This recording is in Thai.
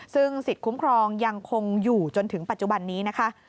ซึ่งสิทธิ์คุ้มครองยังคงอยู่จนถึงปัจจุบันนี้นะคะ